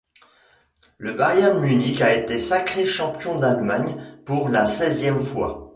Le Bayern Munich a été sacré champion d'Allemagne pour la seizième fois.